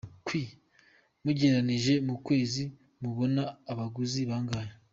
Q: Mugereranije mu kwezi mubona abaguzi bangahe?.